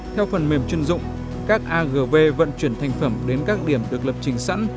theo phần mềm chuyên dụng các agv vận chuyển thành phẩm đến các điểm được lập trình sẵn